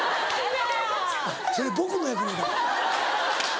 それ僕の役目だから。